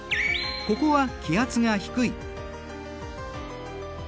ここは気圧が低い。